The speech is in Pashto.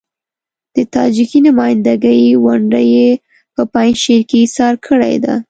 د تاجکي نمايندګۍ ونډه يې په پنجشیر کې اېسار کړې ده.